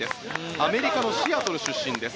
アメリカのシアトル出身です。